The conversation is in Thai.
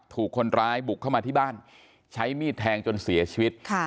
ถูกคนร้ายบุกเข้ามาที่บ้านใช้มีดแทงจนเสียชีวิต